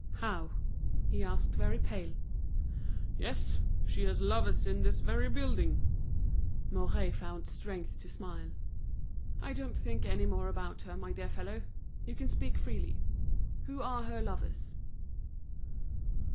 "How?" asked he, very pale. "Yes! she has lovers in this very building." Mouret found strength to smile. "I don't think any more about her, my dear fellow. You can speak freely. Who are her lovers?"